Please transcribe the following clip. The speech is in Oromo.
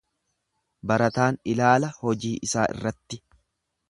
Barataan ilaala hojii isaa irratti.